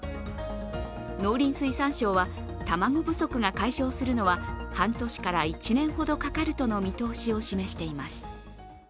農林水産省は卵不足が解消するのは半年から１年ほどかかるとの見通しを示しています。